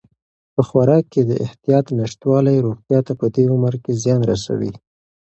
په خوراک کې د احتیاط نشتوالی روغتیا ته په دې عمر کې زیان رسوي.